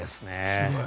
すごい。